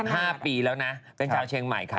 สนุนโดยดีที่สุดคือการให้ไม่สิ้นสุด